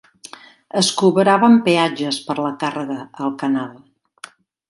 Es cobraven peatges per la càrrega al canal.